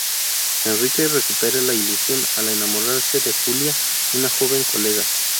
Enrique recupera la ilusión al enamorarse de Julia, una joven colega.